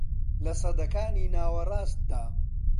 لە سەدەکانی ناوەڕاستدا